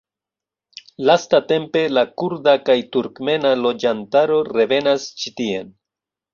Lastatempe la kurda kaj turkmena loĝantaro revenas ĉi tien.